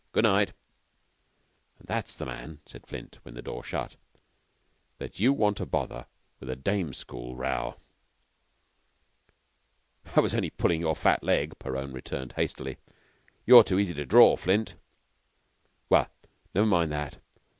Good night." "And that's the man," said Flint, when the door shut, "that you want to bother with a dame's school row." "I was only pullin' your fat leg," Perowne returned, hastily. "You're so easy to draw, Flint." "Well, never mind that.